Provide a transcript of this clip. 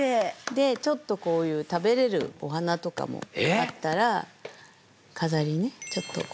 でちょっとこういう食べられるお花とかもあったら飾りねちょっと花びらを飾ってみるとか。